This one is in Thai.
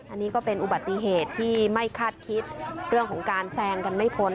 อันนี้ก็เป็นอุบัติเหตุที่ไม่คาดคิดเรื่องของการแซงกันไม่พ้น